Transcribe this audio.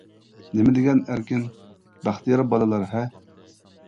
نېمە دېگەن ئەركىن، بەختىيار بالىلار ھە!